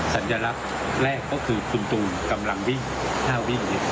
สัญลักษณ์แรกก็คือคุณตูนกำลังวิ่งหน้าวิ่ง